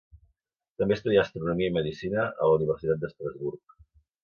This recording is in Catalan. També estudià astronomia i medicina a la Universitat d'Estrasburg.